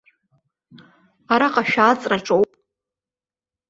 Араҟа шәааҵраҿоуп.